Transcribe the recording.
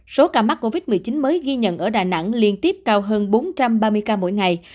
số ca mắc covid một mươi chín mới ghi nhận ở đà nẵng liên tiếp cao hơn bốn trăm ba mươi ca mỗi ngày